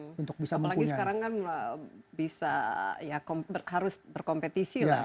apalagi sekarang kan bisa ya harus berkompetisi lah